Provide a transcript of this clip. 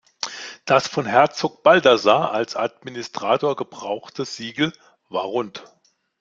Das von Herzog Balthasar als Administrator gebrauchte Siegel war rund.